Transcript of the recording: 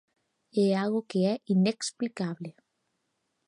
É algo que é inexplicable.